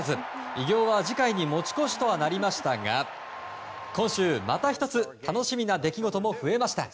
偉業は次回に持ち越しとはなりましたが今週また１つ楽しみな出来事も増えました。